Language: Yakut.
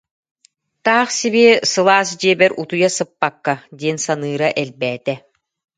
Таах сибиэ сылаас дьиэбэр утуйа сыппакка диэн саныыра элбээтэ